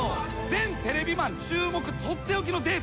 全テレビマン注目取って置きのデータあります。